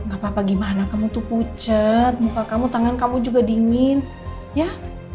gak apa apa gimana kamu tuh pucet muka kamu tangan kamu juga dingin ya